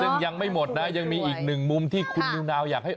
ซึ่งยังไม่หมดนะยังมีอีกหนึ่งมุมที่คุณนิวนาวอยากให้